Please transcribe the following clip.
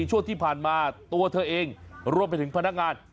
ช่วงที่ผ่านมาตัวเธอเองรวมไปถึงพนักงาน